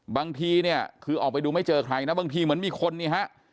บางทีเนี่ยคือออกไปดูไม่เจอใครนะบางทีเหมือนมีคนนี่ฮะ